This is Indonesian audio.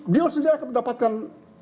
dia sendiri akan mendapatkan